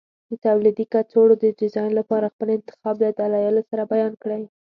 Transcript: د تولیدي کڅوړو د ډیزاین لپاره خپل انتخاب له دلایلو سره بیان کړئ.